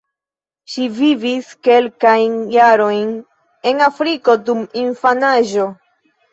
Ŝi vivis kelkajn jarojn en Afriko dum infanaĝo.